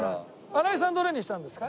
新井さんどれにしたんですか？